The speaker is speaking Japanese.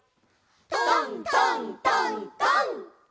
トントントントン！